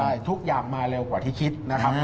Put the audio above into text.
ใช่ทุกอย่างมาเร็วกว่าที่คิดนะครับ